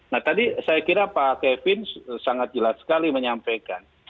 nah tadi saya kira pak kevin sangat jelas sekali menyampaikan